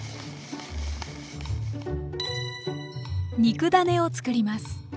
肉ダネを作ります。